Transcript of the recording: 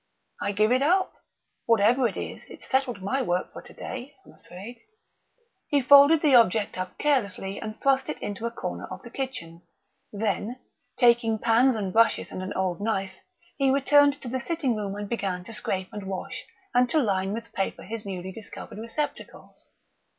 "I give it up. Whatever it is, it's settled my work for today, I'm afraid " He folded the object up carelessly and thrust it into a corner of the kitchen; then, taking pans and brushes and an old knife, he returned to the sitting room and began to scrape and to wash and to line with paper his newly discovered receptacles.